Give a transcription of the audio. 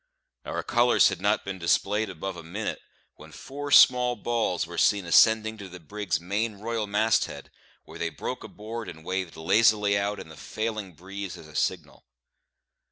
Our colours had not been displayed above a minute, when four small balls were seen ascending to the brig's main royal mast head, where they broke abroad and waved lazily out in the failing breeze as a signal.